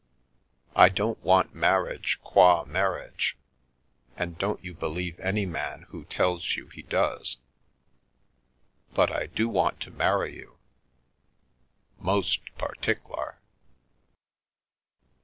I don't want marriage, qua mar riage, and don't you believe any man who tells you he does — but I do want to marry you. Most partiklar."